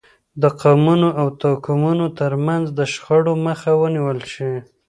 د قومونو او توکمونو ترمنځ د شخړو مخه ونیول شي.